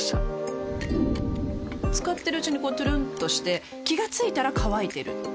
使ってるうちにこうトゥルンとして気が付いたら乾いてる